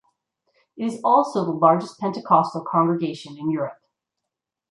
It is also the largest Pentecostal congregation in Europe.